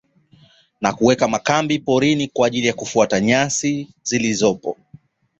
Na kuweka makambi porini kwa ajili ya kufuata nyasi zilipo